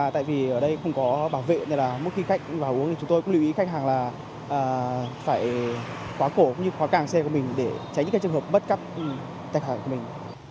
tại đây không có bảo vệ này là mỗi khi khách vào uống thì chúng tôi cũng lưu ý khách hàng là phải khóa cổ cũng như khóa càng xe của mình để tránh những trường hợp bất cấp khách hàng của mình